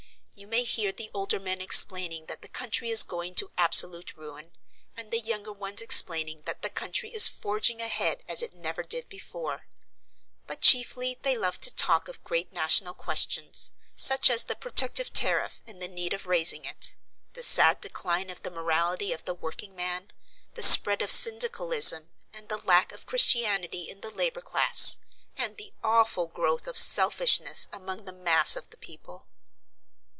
You may hear the older men explaining that the country is going to absolute ruin, and the younger ones explaining that the country is forging ahead as it never did before; but chiefly they love to talk of great national questions, such as the protective tariff and the need of raising it, the sad decline of the morality of the working man, the spread of syndicalism and the lack of Christianity in the labour class, and the awful growth of selfishness among the mass of the people.